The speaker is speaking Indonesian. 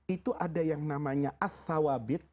itu ada yang namanya